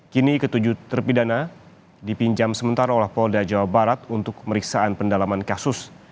kini ketujuh terpidana dipinjam sementara oleh polda jawa barat untuk pemeriksaan pendalaman kasus